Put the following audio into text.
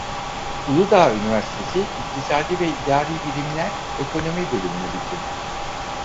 Uludağ Üniversitesi İktisadi ve İdari Birimler Ekonomi Bölümü'nü bitirdi.